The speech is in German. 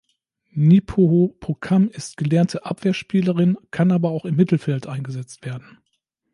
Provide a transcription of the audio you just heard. Ngnipoho-Pokam ist gelernte Abwehrspielerin, kann aber auch im Mittelfeld eingesetzt werden.